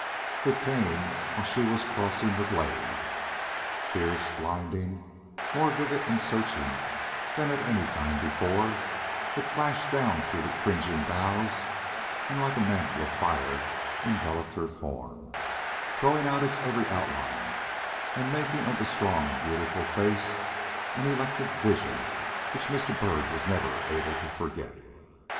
It came while she was crossing the glade. Fierce, blinding, more vivid and searching than at any time before, it flashed down through the cringing boughs, and, like a mantle of fire, enveloped her form, throwing out its every outline, and making of the strong and beautiful face an electric vision which Mr. Byrd was never able to forget.